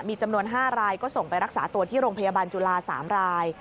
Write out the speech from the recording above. มีจำนวน๕รายก็ส่งไปรักษาตัวที่โรงพยาบาลจุฬา๓ราย